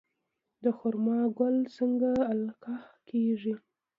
د خرما ګل څنګه القاح کیږي؟